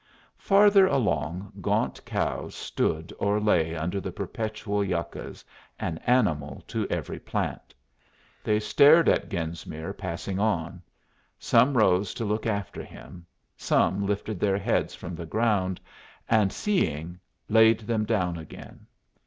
Farther along gaunt cows stood or lay under the perpetual yuccas, an animal to every plant. They stared at Genesmere passing on; some rose to look after him; some lifted their heads from the ground, and seeing, laid them down again.